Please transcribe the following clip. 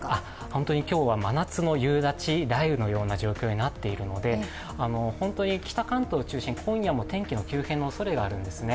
本当に今日は真夏の夕立、雷雨のような状況になっているので、北関東を中心に今夜も天気の急変のおそれがあるんですね。